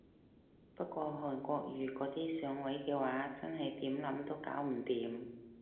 不過韓國瑜嗰啲上位嘅話真係點諗都搞唔掂